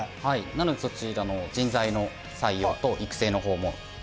なのでそちらの人材の採用と育成のほうもしております。